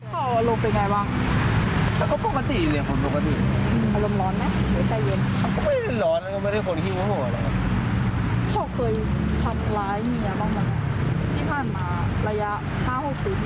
ที่ผ่านมาระยะห้าหกปีที่ผ่านมา